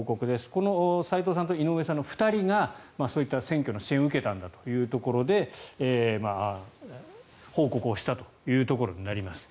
この斎藤さんと井上さんの２人がそういった選挙の支援を受けたんだというところで報告したというところになります。